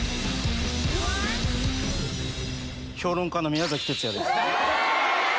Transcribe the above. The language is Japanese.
評論家の宮崎哲弥です。え！